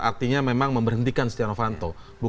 artinya memang memberhentikan setia novanto